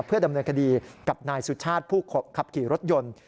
เพื่อดำเนินคดีกับนายสุชาติผู้ขับขี่รถยนต์